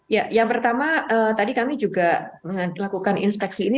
ya yang pertama tadi kami juga melakukan inspeksi ini